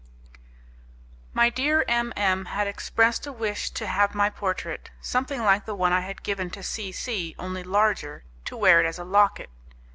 My dear M M had expressed a wish to have my portrait, something like the one I had given to C C , only larger, to wear it as a locket.